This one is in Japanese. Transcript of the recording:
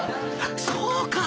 そうか！